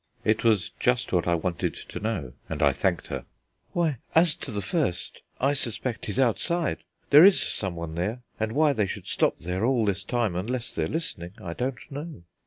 (It was just what I wanted to know, and I thanked her.) "Why, as to the first, I suspect he's outside; there is someone there, and why they should stop there all this time unless they're listening, I don't know."